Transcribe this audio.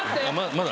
まだ？